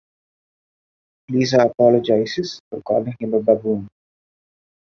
Lisa apologizes for calling him a baboon.